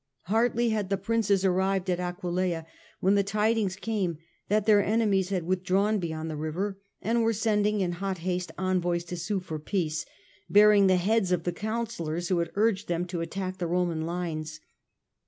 Hardly had the princes arrived at Aquileia, when the tidings came that their enemies had withdrawn beyond the river, and were sending in hot haste envoys to sue for peace, bearing the heads of the counsellors who had urged them to attack the Roman lines.